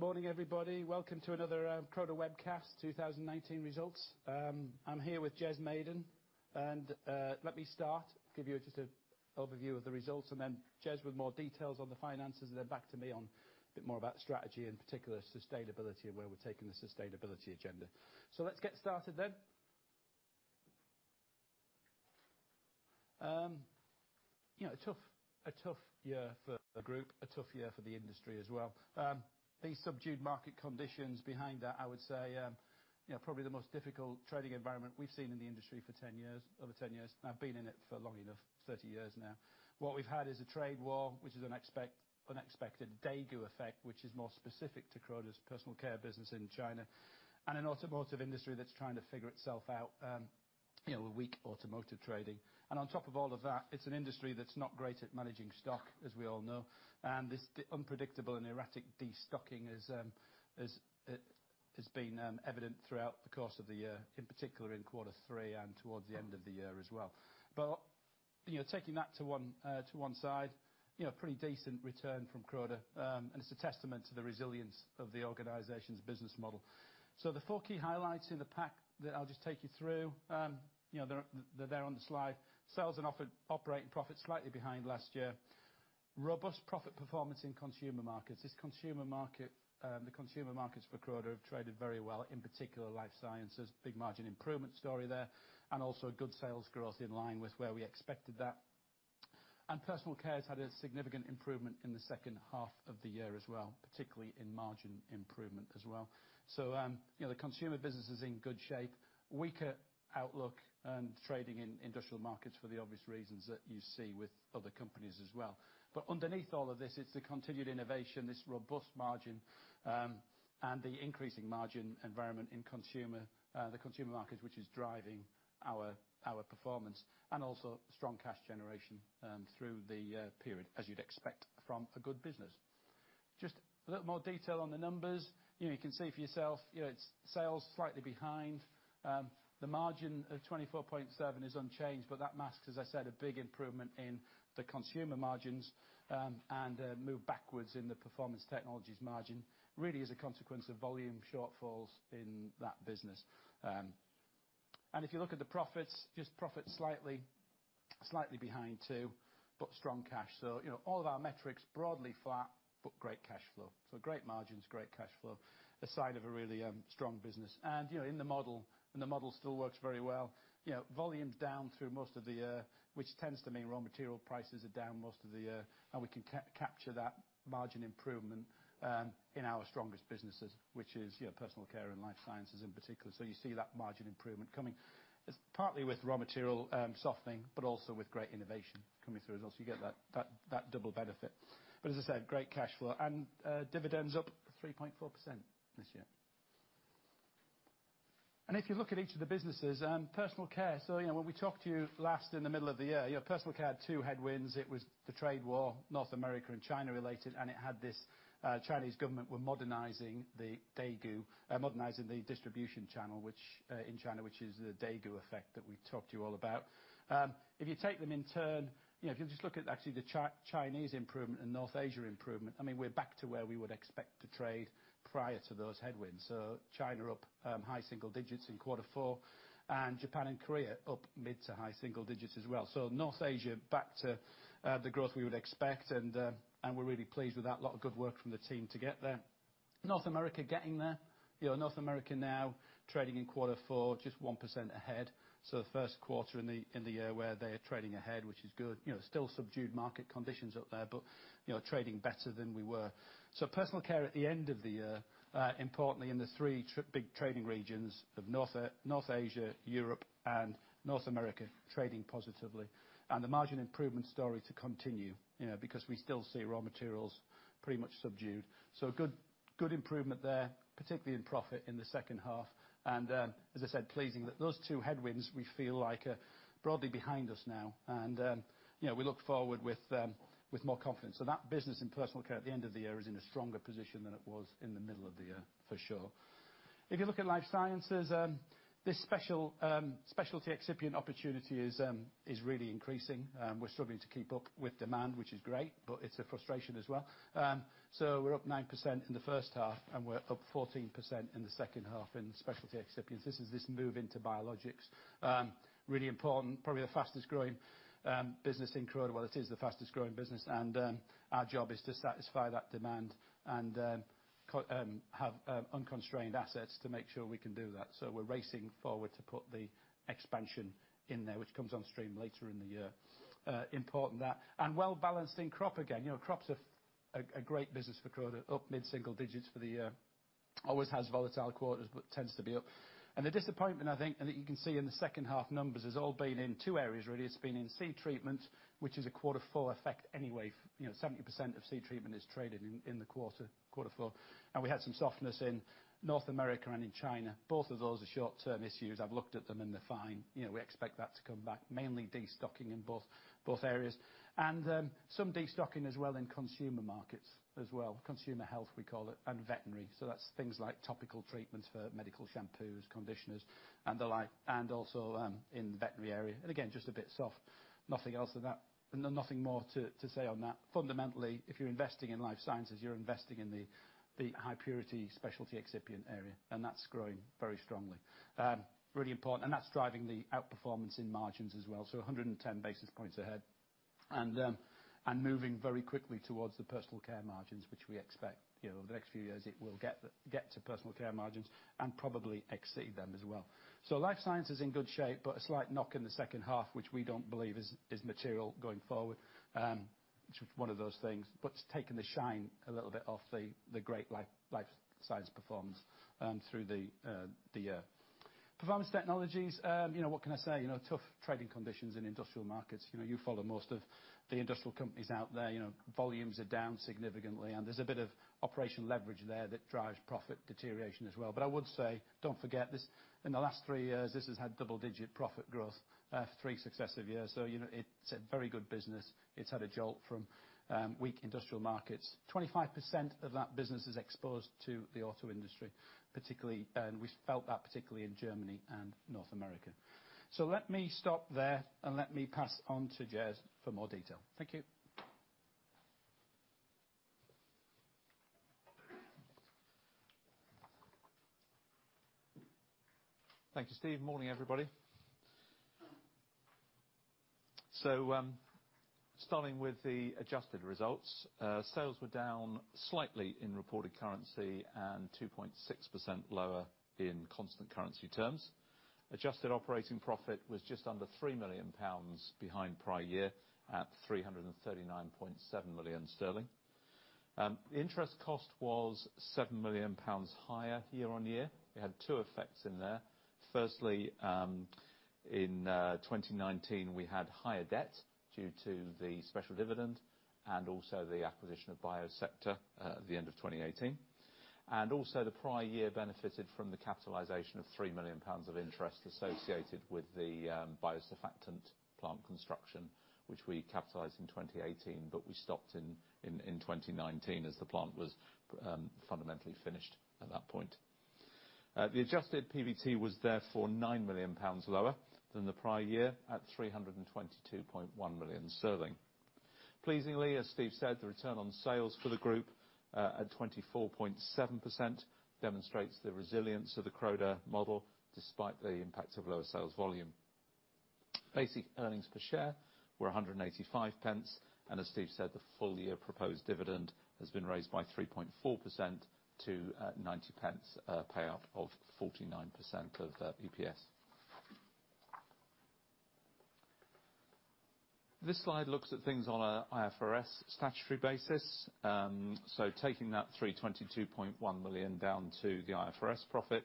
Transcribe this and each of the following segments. Well, good morning, everybody. Welcome to another Croda webcast, 2019 results. I'm here with Jez Maiden. Let me start, give you just an overview of the results and then Jez with more details on the finances, and then back to me on a bit more about strategy, in particular, sustainability and where we're taking the sustainability agenda. Let's get started then. A tough year for the group, a tough year for the industry as well. These subdued market conditions behind that, I would say, probably the most difficult trading environment we've seen in the industry for over 10 years. Now, I've been in it for long enough, 30 years now. What we've had is a trade war, which is an expected Daigou effect, which is more specific to Croda's Personal Care business in China, and an automotive industry that's trying to figure itself out with weak automotive trading. On top of all of that, it's an industry that's not great at managing stock, as we all know. This unpredictable and erratic destocking has been evident throughout the course of the year, in particular in quarter three and towards the end of the year as well. Taking that to one side, pretty decent return from Croda, and it's a testament to the resilience of the organization's business model. The four key highlights in the pack that I'll just take you through, they're there on the slide. Sales and operating profit slightly behind last year. Robust profit performance in consumer markets. The consumer markets for Croda have traded very well, in particular Life Sciences, big margin improvement story there, and also good sales growth in line with where we expected that. Personal Care has had a significant improvement in the second half of the year as well, particularly in margin improvement as well. The consumer business is in good shape. Weaker outlook and trading in industrial markets for the obvious reasons that you see with other companies as well. Underneath all of this, it's the continued innovation, this robust margin, and the increasing margin environment in the consumer markets, which is driving our performance. Also strong cash generation through the period, as you'd expect from a good business. Just a little more detail on the numbers. You can see for yourself, its sales slightly behind. The margin of 24.7% is unchanged, but that masks, as I said, a big improvement in the consumer margins, and a move backwards in the Performance Technologies margin, really as a consequence of volume shortfalls in that business. If you look at the profits, just profit slightly behind too, but strong cash. All of our metrics broadly flat, but great cash flow. Great margins, great cash flow. A sign of a really strong business. The model still works very well. Volumes down through most of the year, which tends to mean raw material prices are down most of the year, and we can capture that margin improvement in our strongest businesses, which is Personal Care and Life Sciences in particular. You see that margin improvement coming. It's partly with raw material softening, but also with great innovation coming through as well. You get that double benefit. As I said, great cash flow. Dividends up 3.4% this year. If you look at each of the businesses, Personal Care. When we talked to you last in the middle of the year, Personal Care had two headwinds. It was the trade war, North America and China related, and it had this Chinese government was modernizing the Daigou, modernizing the distribution channel in China, which is the Daigou effect that we talked to you all about. If you take them in turn, if you just look at actually the Chinese improvement and North Asia improvement, we're back to where we would expect to trade prior to those headwinds. China up high single digits in quarter four, and Japan and Korea up mid to high single digits as well. North Asia back to the growth we would expect, and we're really pleased with that. A lot of good work from the team to get there. North America getting there. North America now trading in quarter four, just 1% ahead. The first quarter in the year where they are trading ahead, which is good. Still subdued market conditions up there, but trading better than we were. Personal Care at the end of the year, importantly in the three big trading regions of North Asia, Europe, and North America, trading positively. The margin improvement story to continue, because we still see raw materials pretty much subdued. Good improvement there, particularly in profit in the second half. As I said, pleasing that those two headwinds we feel like are broadly behind us now. We look forward with more confidence. That business in Personal Care at the end of the year is in a stronger position than it was in the middle of the year, for sure. If you look at Life Sciences, this specialty excipient opportunity is really increasing. We're struggling to keep up with demand, which is great, but it's a frustration as well. We're up 9% in the first half, and we're up 14% in the second half in specialty excipients. This is this move into biologics. It is really important, probably the fastest-growing business in Croda. It is the fastest-growing business, and our job is to satisfy that demand and have unconstrained assets to make sure we can do that. We're racing forward to put the expansion in there, which comes on stream later in the year. That is important. Well-balanced in Crop Protection again. Crops are a great business for Croda. They are up mid-single digits for the year. It always has volatile quarters, but tends to be up. The disappointment, I think, and that you can see in the second half numbers, has all been in two areas, really. It's been in Seed Enhancement, which is a quarter four effect anyway. 70% of Seed Enhancement is traded in the quarter four. We had some softness in North America and in China. Both of those are short-term issues. I've looked at them and they're fine. We expect that to come back. Mainly destocking in both areas. Some destocking as well in consumer markets as well. Consumer health, we call it, and veterinary. That's things like topical treatments for medical shampoos, conditioners, and the like, and also in the veterinary area. Again, just a bit soft. Nothing more to say on that. Fundamentally, if you're investing in Life Sciences, you're investing in the high purity specialty excipient area, and that's growing very strongly. Really important. That's driving the outperformance in margins as well, 110 basis points ahead. Moving very quickly towards the Personal Care margins, which we expect over the next few years, it will get to Personal Care margins and probably exceed them as well. Life Sciences is in good shape, but a slight knock in the second half, which we don't believe is material going forward. It's one of those things, but it's taking the shine a little bit off the great Life Sciences performance through the year. Performance Technologies, what can I say? Tough trading conditions in industrial markets. You follow most of the industrial companies out there. Volumes are down significantly, and there's a bit of operational leverage there that drives profit deterioration as well. I would say, don't forget, in the last three years, this has had double-digit profit growth for three successive years. It's a very good business. It's had a jolt from weak industrial markets. 25% of that business is exposed to the auto industry, and we felt that particularly in Germany and North America. Let me stop there, and let me pass on to Jez for more detail. Thank you. Thank you, Steve. Morning, everybody. Starting with the adjusted results. Sales were down slightly in reported currency and 2.6% lower in constant currency terms. Adjusted operating profit was just under 3 million pounds behind prior year at 339.7 million sterling. Interest cost was 7 million pounds higher year-on-year. It had two effects in there. Firstly, in 2019, we had higher debt due to the special dividend and also the acquisition of Biosector at the end of 2018. The prior year benefited from the capitalization of 3 million pounds of interest associated with the biosurfactant plant construction, which we capitalized in 2018, but we stopped in 2019 as the plant was fundamentally finished at that point. The adjusted PBT was therefore 9 million pounds lower than the prior year at 322.1 million sterling. Pleasingly, as Steve said, the return on sales for the group at 24.7% demonstrates the resilience of the Croda model despite the impact of lower sales volume. Basic earnings per share were 1.85, and as Steve said, the full-year proposed dividend has been raised by 3.4% to 0.90, a payout of 49% of the EPS. This slide looks at things on an IFRS statutory basis. Taking that 322.1 million down to the IFRS profit.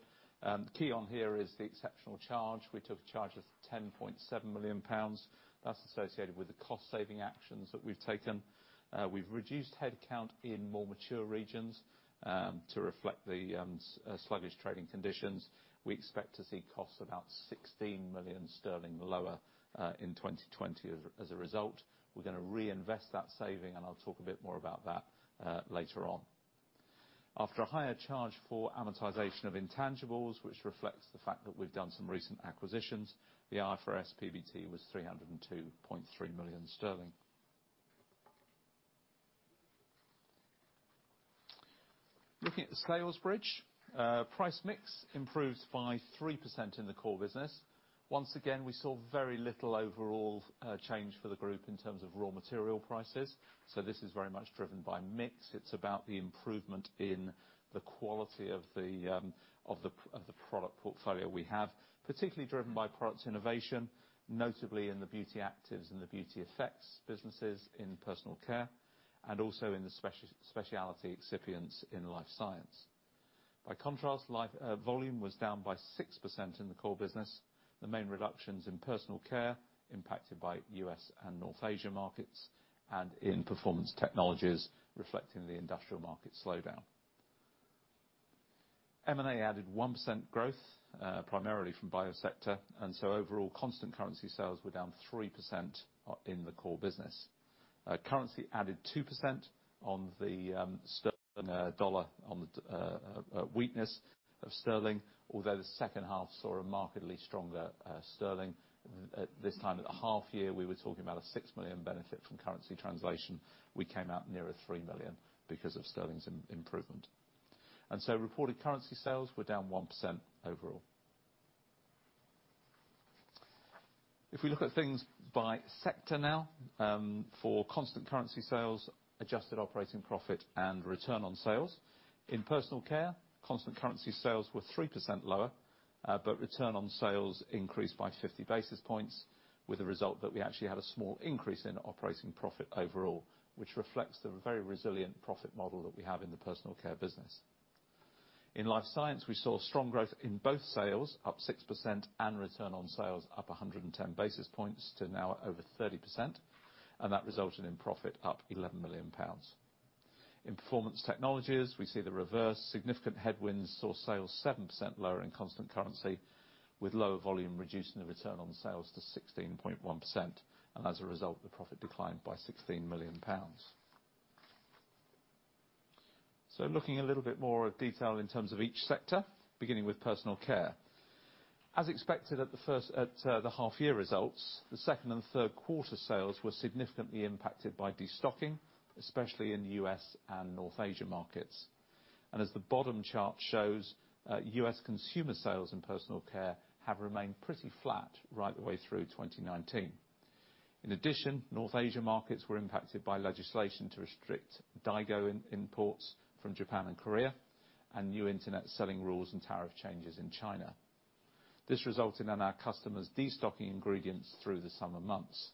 Key on here is the exceptional charge. We took a charge of 10.7 million pounds. That's associated with the cost-saving actions that we've taken. We've reduced head count in more mature regions to reflect the sluggish trading conditions. We expect to see costs about 16 million sterling lower in 2020 as a result. We're going to reinvest that saving, and I'll talk a bit more about that later on. After a higher charge for amortization of intangibles, which reflects the fact that we've done some recent acquisitions, the IFRS PBT was GBP 302.3 million. Looking at the sales bridge. Price mix improved by 3% in the core business. Once again, we saw very little overall change for the group in terms of raw material prices. This is very much driven by mix. It's about the improvement in the quality of the product portfolio we have, particularly driven by products innovation, notably in the Beauty Actives and the Beauty Effects businesses in Personal Care, and also in the specialty excipients in Life Sciences. By contrast, volume was down by 6% in the core business. The main reductions in Personal Care impacted by U.S. and North Asia markets and in Performance Technologies reflecting the industrial market slowdown. M&A added 1% growth, primarily from Biosector. Overall constant currency sales were down 3% in the core business. Currency added 2% on the GBP dollar on the weakness of GBP, although the second half saw a markedly stronger GBP. This time at the half year, we were talking about a 6 million benefit from currency translation. We came out nearer 3 million because of GBP's improvement. Reported currency sales were down 1% overall. If we look at things by sector now, for constant currency sales, adjusted operating profit, and return on sales. In Personal Care, constant currency sales were 3% lower, but return on sales increased by 50 basis points with a result that we actually had a small increase in operating profit overall, which reflects the very resilient profit model that we have in the Personal Care business. In Life Sciences, we saw strong growth in both sales up 6% and return on sales up 110 basis points to now over 30%. That resulted in profit up 11 million pounds. In Performance Technologies, we see the reverse. Significant headwinds saw sales 7% lower in constant currency with lower volume reducing the return on sales to 16.1%. As a result, the profit declined by 16 million pounds. Looking a little bit more detail in terms of each sector, beginning with Personal Care. As expected at the half-year results, the second and third quarter sales were significantly impacted by destocking, especially in the U.S. and North Asia markets. As the bottom chart shows, U.S. consumer sales in Personal Care have remained pretty flat right the way through 2019. In addition, North Asia markets were impacted by legislation to restrict Daigou imports from Japan and Korea, and new internet selling rules and tariff changes in China. This resulted in our customers destocking ingredients through the summer months.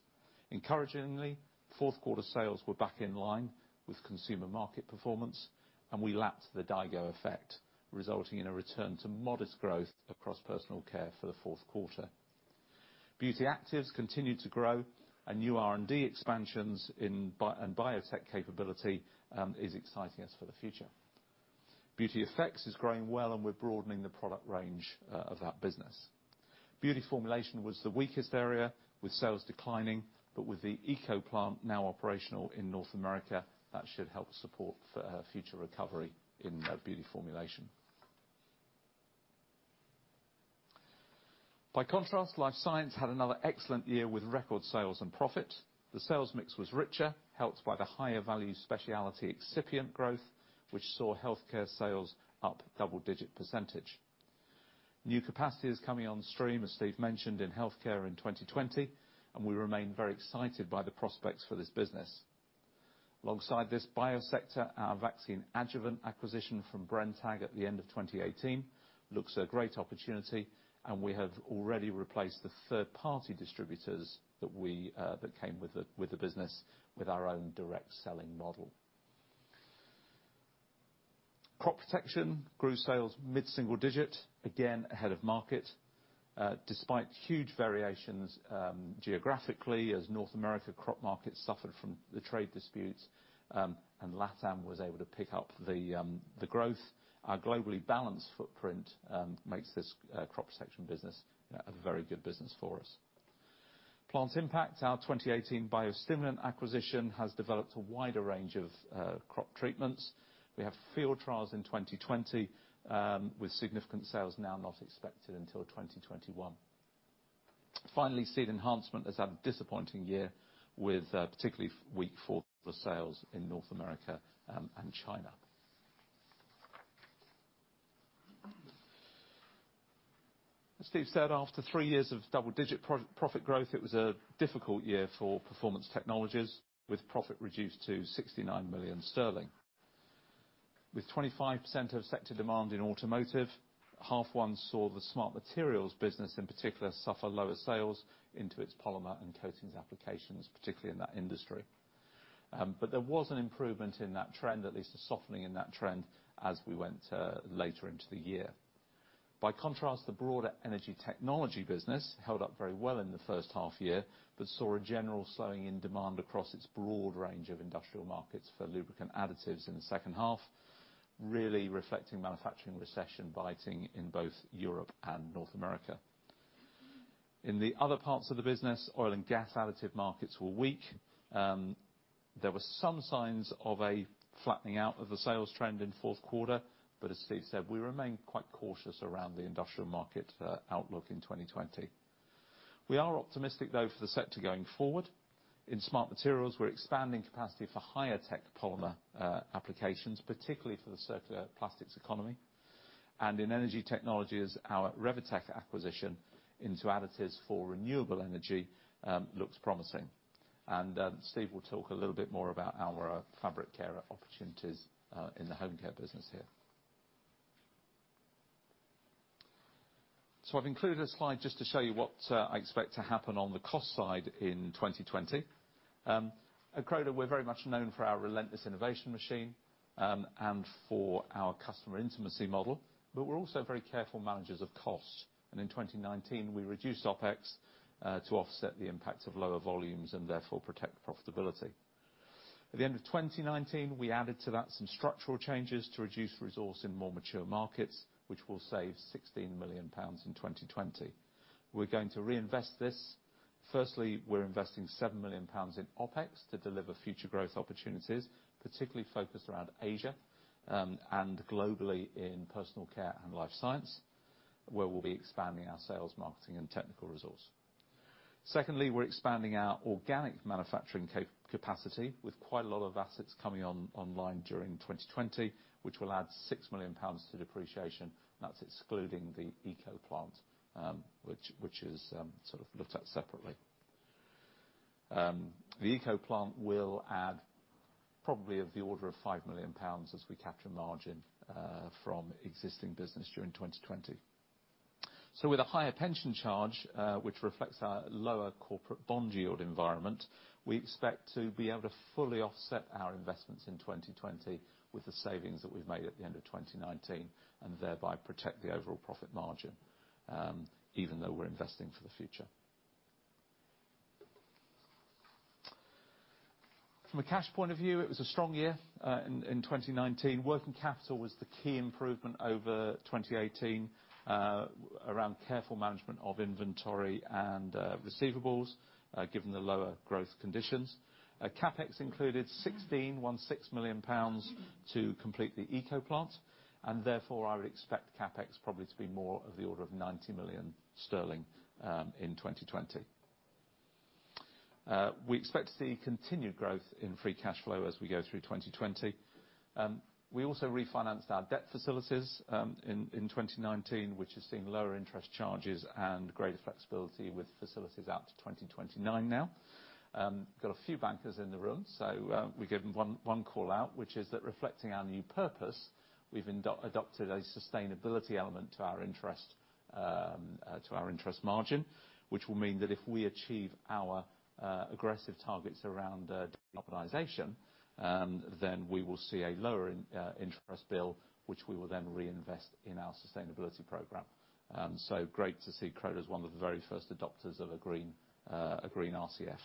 Encouragingly, fourth quarter sales were back in line with consumer market performance, and we lapsed the Daigou effect, resulting in a return to modest growth across Personal Care for the fourth quarter. Beauty Actives continued to grow, new R&D expansions and biotech capability is exciting us for the future. Beauty Effects is growing well, we're broadening the product range of that business. Beauty Formulation was the weakest area, with sales declining, with the ECO Plant now operational in North America, that should help support future recovery in Beauty Formulation. By contrast, Life Sciences had another excellent year with record sales and profit. The sales mix was richer, helped by the higher value specialty excipient growth, which saw healthcare sales up double-digit %. New capacity is coming on stream, as Steve mentioned, in healthcare in 2020, and we remain very excited by the prospects for this business. Alongside this Biosector, our vaccine adjuvant acquisition from Brenntag at the end of 2018 looks a great opportunity, and we have already replaced the third-party distributors that came with the business, with our own direct selling model. Crop Protection grew sales mid-single digit, again ahead of market. Despite huge variations geographically, as North America crop markets suffered from the trade disputes, and LATAM was able to pick up the growth. Our globally balanced footprint makes this Crop Protection business a very good business for us. Plant Impact, our 2018 biostimulant acquisition, has developed a wider range of crop treatments. We have field trials in 2020, with significant sales now not expected until 2021. Seed Enhancement has had a disappointing year, with particularly weak fourth quarter sales in North America and China. As Steve said, after three years of double-digit profit growth, it was a difficult year for Performance Technologies, with profit reduced to 69 million sterling. With 25% of sector demand in automotive, half one saw the Smart Materials business in particular suffer lower sales into its polymer and coatings applications, particularly in that industry. There was an improvement in that trend, at least a softening in that trend, as we went later into the year. By contrast, the broader Energy Technologies business held up very well in the first half year, but saw a general slowing in demand across its broad range of industrial markets for lubricant additives in the second half, really reflecting manufacturing recession biting in both Europe and North America. In the other parts of the business, oil and gas additive markets were weak. There were some signs of a flattening out of the sales trend in fourth quarter, but as Steve said, we remain quite cautious around the industrial market outlook in 2020. We are optimistic, though, for the sector going forward. In Smart Materials, we're expanding capacity for higher tech polymer applications, particularly for the circular plastics economy. In Energy Technologies, our Rewitec acquisition into additives for renewable energy looks promising. Steve will talk a little bit more about our Fabric Care opportunities in the Home Care business here. I've included a slide just to show you what I expect to happen on the cost side in 2020. At Croda, we're very much known for our relentless innovation machine, and for our customer intimacy model, but we're also very careful managers of costs. In 2019, we reduced OpEx to offset the impact of lower volumes and therefore protect profitability. At the end of 2019, we added to that some structural changes to reduce resource in more mature markets, which will save 16 million pounds in 2020. We're going to reinvest this. Firstly, we're investing 7 million pounds in OpEx to deliver future growth opportunities, particularly focused around Asia, and globally in Personal Care and Life Sciences, where we'll be expanding our sales, marketing, and technical resource. We're expanding our organic manufacturing capacity with quite a lot of assets coming online during 2020, which will add 6 million pounds to depreciation. That's excluding the ECO Plant, which is looked at separately. The ECO Plant will add probably of the order of 5 million pounds as we capture margin from existing business during 2020. With a higher pension charge, which reflects our lower corporate bond yield environment, we expect to be able to fully offset our investments in 2020 with the savings that we've made at the end of 2019, and thereby protect the overall profit margin, even though we're investing for the future. From a cash point of view, it was a strong year in 2019. Working capital was the key improvement over 2018, around careful management of inventory and receivables, given the lower growth conditions. CapEx included 16 million pounds to complete the ECO Plant, and therefore I would expect CapEx probably to be more of the order of 90 million sterling in 2020. We expect to see continued growth in free cash flow as we go through 2020. We also refinanced our debt facilities in 2019, which has seen lower interest charges and greater flexibility with facilities out to 2029 now. Got a few bankers in the room, so we give them one call-out, which is that reflecting our new purpose, we've adopted a sustainability element to our interest margin, which will mean that if we achieve our aggressive targets around decarbonization, then we will see a lower interest bill, which we will then reinvest in our sustainability program. Great to see Croda as one of the very first adopters of a green RCF.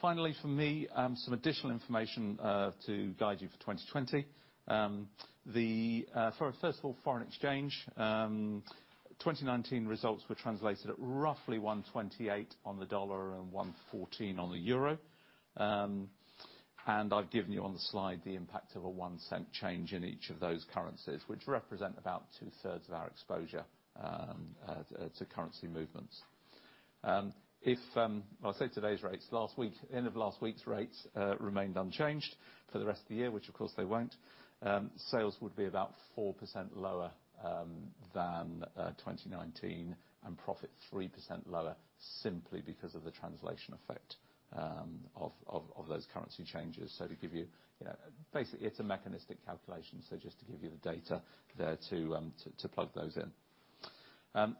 Finally, from me, some additional information to guide you for 2020. First of all, foreign exchange. 2019 results were translated at roughly 128 on the USD and 114 on the EUR. I've given you on the slide the impact of a one-cent change in each of those currencies, which represent about two-thirds of our exposure to currency movements. If end of last week's rates remained unchanged for the rest of the year, which of course they won't, sales would be about 4% lower than 2019 and profit 3% lower simply because of the translation effect of those currency changes. Basically, it's a mechanistic calculation. Just to give you the data there to plug those in.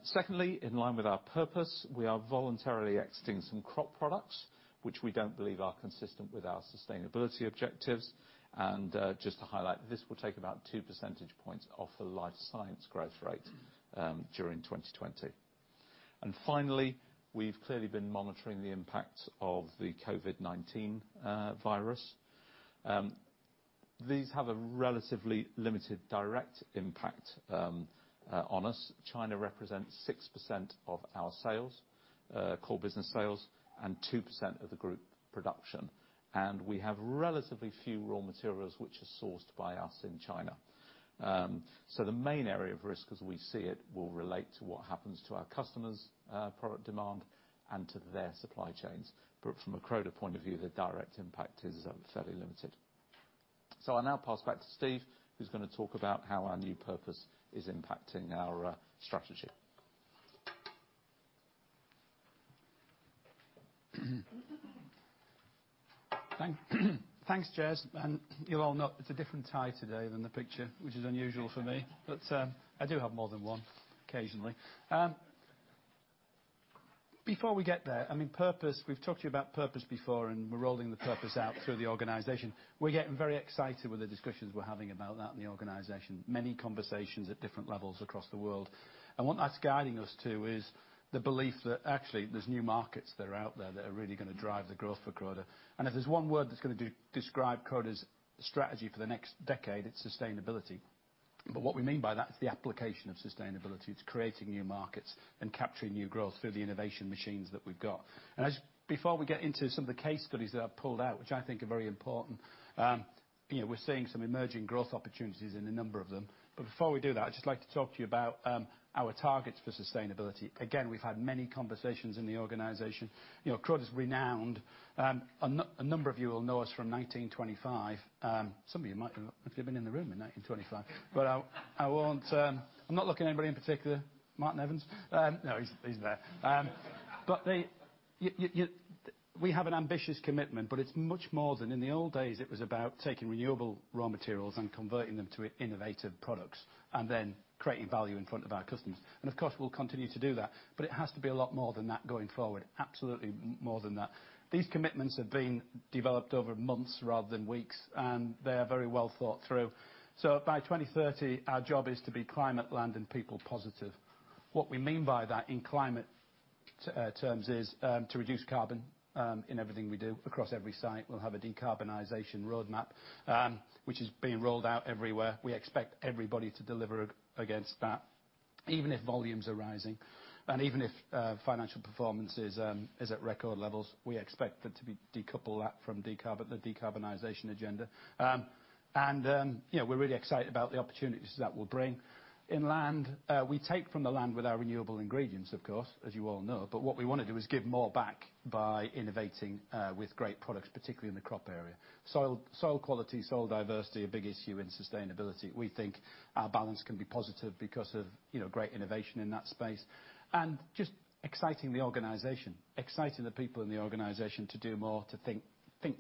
Secondly, in line with our purpose, we are voluntarily exiting some crop products which we don't believe are consistent with our sustainability objectives. Just to highlight, this will take about two percentage points off the Life Sciences growth rate during 2020. Finally, we've clearly been monitoring the impact of the COVID-19 virus. These have a relatively limited direct impact on us. China represents 6% of our sales, core business sales, and 2% of the group production, and we have relatively few raw materials which are sourced by us in China. The main area of risk as we see it will relate to what happens to our customers' product demand and to their supply chains. From a Croda point of view, the direct impact is fairly limited. I'll now pass back to Steve, who's going to talk about how our new purpose is impacting our strategy. Thanks, Jez. You all know it's a different tie today than the picture, which is unusual for me, but I do have more than one, occasionally. Before we get there, purpose, we've talked to you about purpose before, and we're rolling the purpose out through the organization. We're getting very excited with the discussions we're having about that in the organization. Many conversations at different levels across the world. What that's guiding us to is the belief that actually there's new markets that are out there that are really going to drive the growth for Croda. If there's one word that's going to describe Croda's strategy for the next decade, it's sustainability. What we mean by that is the application of sustainability to creating new markets and capturing new growth through the innovation machines that we've got. Before we get into some of the case studies that I've pulled out, which I think are very important, we're seeing some emerging growth opportunities in a number of them. Before we do that, I'd just like to talk to you about our targets for sustainability. Again, we've had many conversations in the organization. Croda is renowned. A number of you will know us from 1925. Some of you might have even been in the room in 1925. I'm not looking at anybody in particular. Martin Evans? No, he's there. We have an ambitious commitment, but it's much more than in the old days, it was about taking renewable raw materials and converting them to innovative products and then creating value in front of our customers. Of course, we'll continue to do that, but it has to be a lot more than that going forward. Absolutely more than that. These commitments have been developed over months rather than weeks, and they are very well thought through. By 2030, our job is to be climate, land, and people positive. What we mean by that in climate terms is to reduce carbon in everything we do across every site. We'll have a decarbonization roadmap, which is being rolled out everywhere. We expect everybody to deliver against that. Even if volumes are rising and even if financial performance is at record levels, we expect them to decouple that from the decarbonization agenda. We're really excited about the opportunities that will bring. In land, we take from the land with our renewable ingredients, of course, as you all know. What we want to do is give more back by innovating with great products, particularly in the crop area. Soil quality, soil diversity, a big issue in sustainability. We think our balance can be positive because of great innovation in that space. Just exciting the organization. Exciting the people in the organization to do more, to think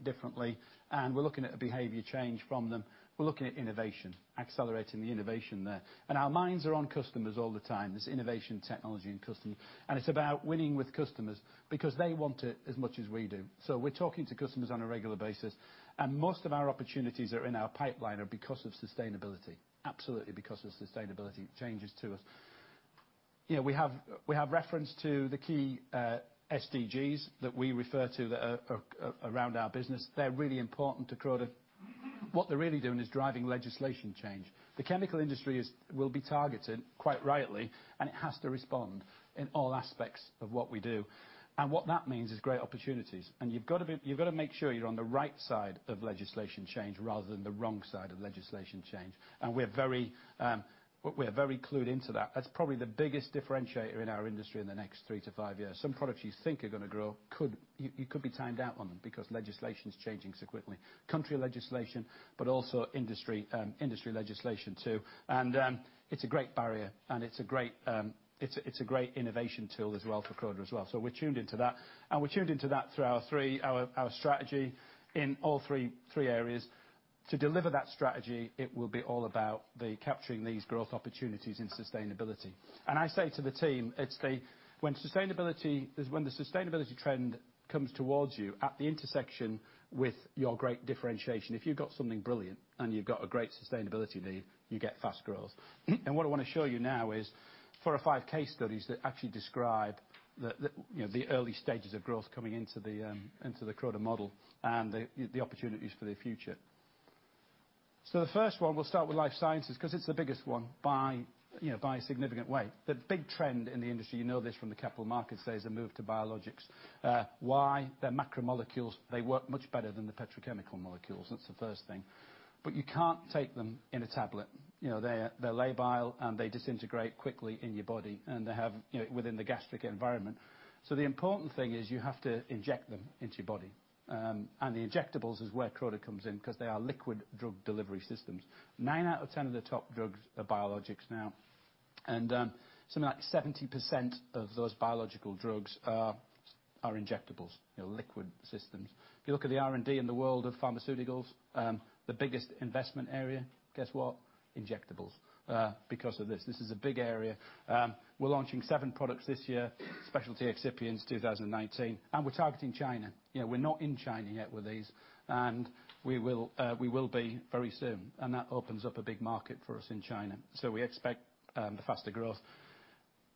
differently. We're looking at a behavior change from them. We're looking at innovation, accelerating the innovation there. Our minds are on customers all the time. There's innovation, technology, and customers. It's about winning with customers because they want it as much as we do. We're talking to customers on a regular basis, and most of our opportunities that are in our pipeline are because of sustainability. Absolutely because of sustainability changes to us. We have reference to the key SDGs that we refer to that are around our business. They're really important to Croda. What they're really doing is driving legislation change. The chemical industry will be targeted, quite rightly, and it has to respond in all aspects of what we do. What that means is great opportunities. You've got to make sure you're on the right side of legislation change rather than the wrong side of legislation change. We're very clued into that. That's probably the biggest differentiator in our industry in the next three to five years. Some products you think are going to grow, you could be tying down because legislation is changing so quickly. Country legislation, but also industry legislation too. It's a great barrier, and it's a great innovation tool as well for Croda as well. We're tuned into that. We're tuned into that through our strategy in all three areas. To deliver that strategy, it will be all about capturing these growth opportunities in sustainability. I say to the team, when the sustainability trend comes towards you at the intersection with your great differentiation, if you've got something brilliant and you've got a great sustainability lead, you get fast growth. What I want to show you now is four or five case studies that actually describe the early stages of growth coming into the Croda model and the opportunities for the future. The first one, we'll start with Life Sciences because it's the biggest one by significant weight. The big trend in the industry, you know this from the capital markets, there's a move to biologics. Why? They're macromolecules. They work much better than the petrochemical molecules. That's the first thing. You can't take them in a tablet. They're labile, and they disintegrate quickly in your body and within the gastric environment. The important thing is you have to inject them into your body. The injectables is where Croda comes in because they are liquid drug delivery systems. nine out of 10 of the top drugs are biologics now. Something like 70% of those biological drugs are injectables, liquid systems. If you look at the R&D in the world of pharmaceuticals, the biggest investment area, guess what? Injectables, because of this. This is a big area. We're launching seven products this year, specialty excipients 2019. We're targeting China. We're not in China yet with these, and we will be very soon. That opens up a big market for us in China. We expect the faster growth.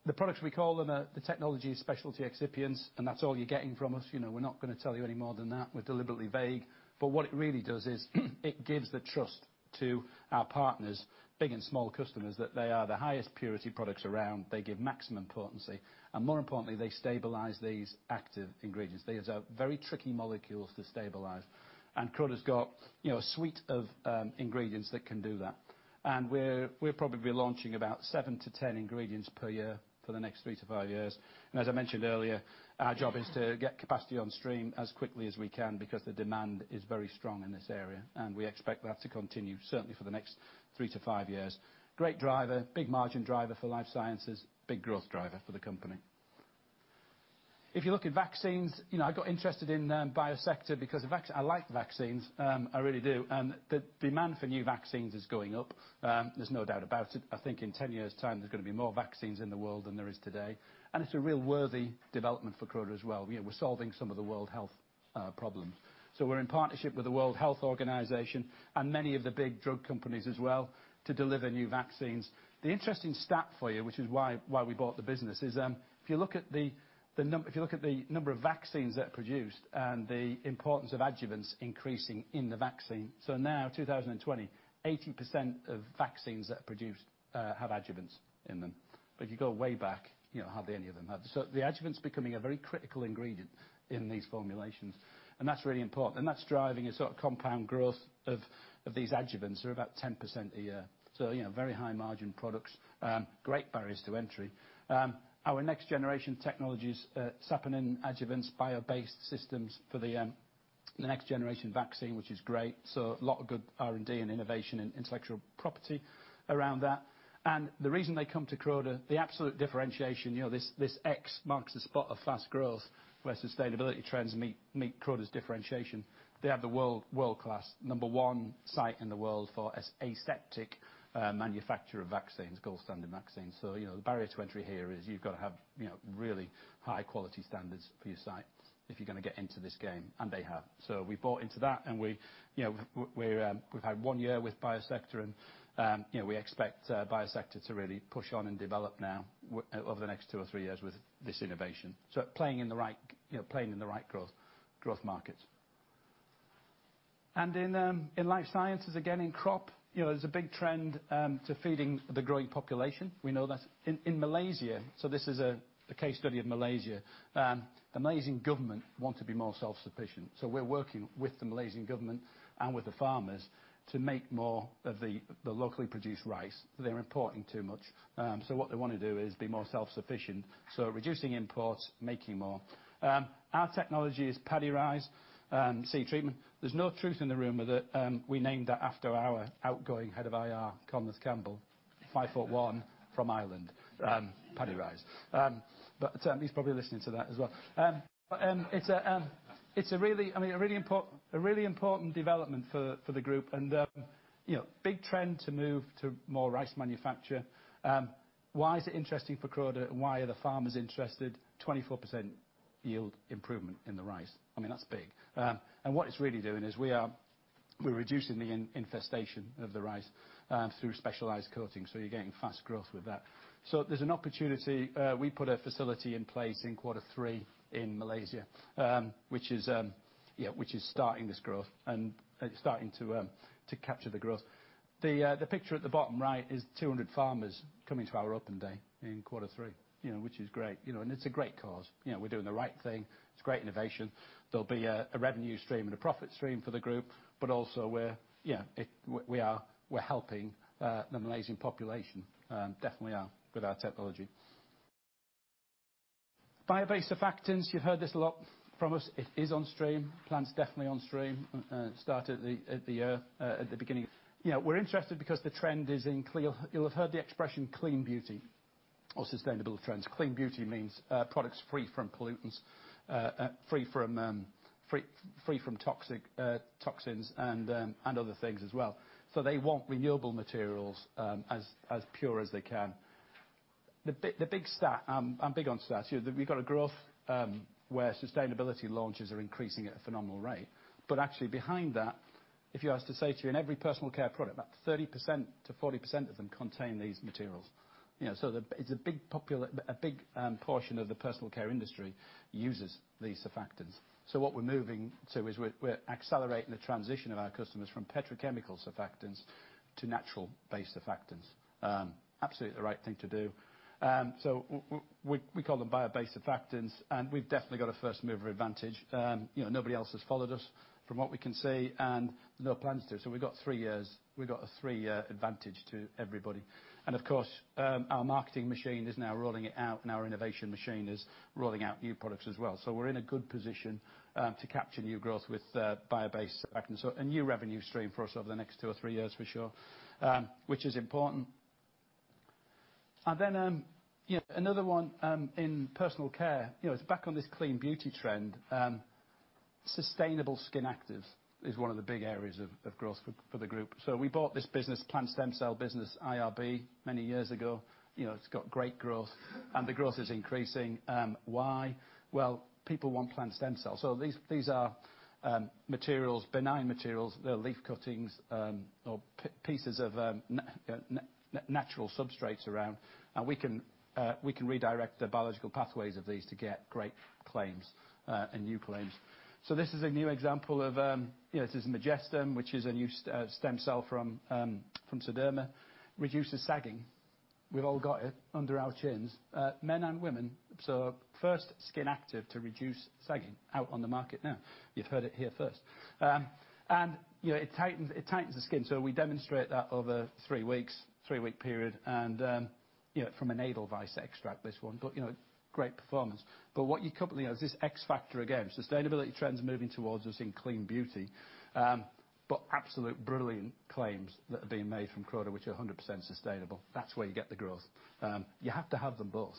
The products, we call them, the technology is specialty excipients, and that's all you're getting from us. We're not going to tell you any more than that. We're deliberately vague. What it really does is it gives the trust to our partners, big and small customers, that they are the highest purity products around. They give maximum potency, and more importantly, they stabilize these active ingredients. These are very tricky molecules to stabilize. Croda's got a suite of ingredients that can do that. We're probably launching about seven to 10 ingredients per year for the next three to five years. As I mentioned earlier, our job is to get capacity on stream as quickly as we can because the demand is very strong in this area, and we expect that to continue, certainly for the next three to five years. Great driver, big margin driver for Life Sciences, big growth driver for the company. If you look at vaccines, I got interested in the Biosector because I like vaccines. I really do. The demand for new vaccines is going up, there's no doubt about it. I think in 10 years time, there's going to be more vaccines in the world than there is today. It's a real worthy development for Croda as well. We're solving some of the world health problems. We're in partnership with the World Health Organization and many of the big drug companies as well to deliver new vaccines. The interesting stat for you, which is why we bought the business, is if you look at the number of vaccines that are produced and the importance of adjuvants increasing in the vaccine. Now, 2020, 80% of vaccines that are produced have adjuvants in them. If you go way back, hardly any of them have. The adjuvant is becoming a very critical ingredient in these formulations. That's really important. That's driving a sort of compound growth of these adjuvants are about 10% a year. Very high margin products. Great barriers to entry, our next generation technologies, saponin adjuvants, bio-based systems for the next generation vaccine, which is great. A lot of good R&D and innovation and intellectual property around that. The reason they come to Croda, the absolute differentiation, this X marks the spot of fast growth where sustainability trends meet Croda's differentiation. They have the world-class number 1 site in the world for aseptic manufacture of vaccines, gold standard vaccines. The barrier to entry here is you've got to have really high quality standards for your site if you're going to get into this game, and they have. We bought into that, and we've had one year with Biosector, and we expect Biosector to really push on and develop now over the next two or three years with this innovation. Playing in the right growth markets. In Life Sciences, again, in Crop, there's a big trend to feeding the growing population. We know that. In Malaysia, this is the case study of Malaysia. The Malaysian government want to be more self-sufficient. We're working with the Malaysian government and with the farmers to make more of the locally produced rice. They're importing too much. What they want to do is be more self-sufficient. Reducing imports, making more. Our technology is PaddyRise seed treatment. There's no truth in the room with it. We named it after our outgoing head of IR, Conleth Campbell, five foot one from Ireland, PaddyRise. He's probably listening to that as well. It's a really important development for the group, and big trend to move to more rice manufacture. Why is it interesting for Croda? Why are the farmers interested? 24% yield improvement in the rice. I mean, that's big. What it's really doing is we're reducing the infestation of the rice through specialized coating, so you're getting fast growth with that. There's an opportunity. We put a facility in place in quarter three in Malaysia, which is starting this growth and starting to capture the growth. The picture at the bottom right is 200 farmers coming to our open day in quarter three, which is great. It's a great cause. We're doing the right thing. It's great innovation. There'll be a revenue stream and a profit stream for the group, but also we're helping the Malaysian population, definitely are, with our technology. Bio-based surfactants, you've heard this a lot from us. It is on stream. Plan's definitely on stream. Start at the beginning. We're interested because the trend is in, you'll have heard the expression clean beauty or sustainable trends. Clean beauty means products free from pollutants, free from toxins and other things as well. They want renewable materials as pure as they can. The big stat, I'm big on stats here, we've got a growth, where sustainability launches are increasing at a phenomenal rate. Actually behind that, if I was to say to you, in every Personal Care product, about 30%-40% of them contain these materials. It's a big portion of the Personal Care industry uses these surfactants. What we're moving to is we're accelerating the transition of our customers from petrochemical surfactants to natural-based surfactants. Absolutely the right thing to do. We call them bio-based surfactants, and we've definitely got a first-mover advantage. Nobody else has followed us from what we can see, and there's no plans to. We've got a three-year advantage to everybody. Of course, our marketing machine is now rolling it out, and our innovation machine is rolling out new products as well. We're in a good position to capture new growth with bio-based surfactants. A new revenue stream for us over the next two or three years, for sure, which is important. Another one in Personal Care. It's back on this clean beauty trend. Sustainable skin actives is one of the big areas of growth for the group. We bought this business, plant stem cell business, IRB, many years ago. It's got great growth, and the growth is increasing. Why? People want plant stem cells. These are benign materials. They're leaf cuttings, or pieces of natural substrates around. We can redirect the biological pathways of these to get great claims, and new claims. This is a new example of, this is Majestem, which is a new stem cell from Sederma. Reduces sagging. We've all got it under our chins, men and women. First skin active to reduce sagging, out on the market now. You've heard it here first. It tightens the skin. We demonstrate that over three weeks, three-week period and, from an edelweiss extract, this one. Great performance. What you couple, there's this X factor again, sustainability trends moving towards us in clean beauty. Absolute brilliant claims that are being made from Croda, which are 100% sustainable. That's where you get the growth. You have to have them both.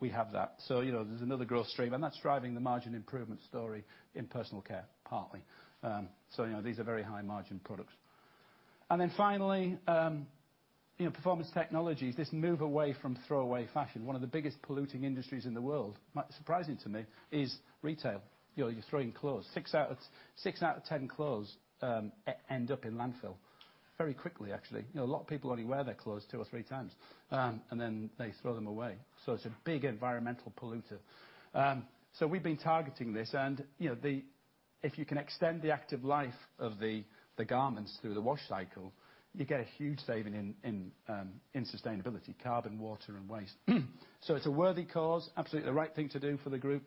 We have that. There's another growth stream, and that's driving the margin improvement story in Personal Care, partly. These are very high-margin products. Finally, Performance Technologies. This move away from throwaway fashion, one of the biggest polluting industries in the world, surprising to me, is retail. You're throwing clothes. six out of 10 clothes end up in landfill, very quickly, actually. A lot of people only wear their clothes two or three times, and then they throw them away. It's a big environmental polluter. We've been targeting this, and if you can extend the active life of the garments through the wash cycle, you get a huge saving in sustainability, carbon, water, and waste. It's a worthy cause, absolutely the right thing to do for the group.